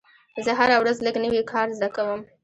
زه هره ورځ لږ نوی کار زده کوم.